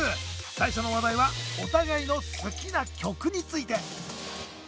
最初の話題はお互いの好きな曲について。